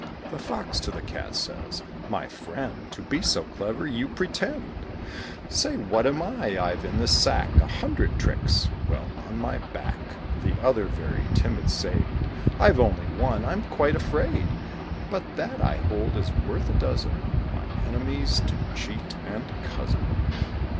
The Fox to the Cat says, "My friend, [Illustration: THE CAT AND THE FOX.] To be so clever you pretend; Say what am I? I've in this sack A hundred tricks." "Well, on my back," The other, very timid, said, "I've only one, I'm quite afraid; But that, I hold, is worth a dozen, My enemies to cheat and cozen."